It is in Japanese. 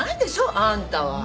あんたは。